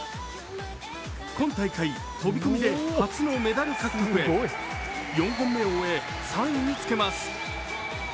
今大会飛び込みで初のメダル獲得へ、４本目を終え、３位につけます。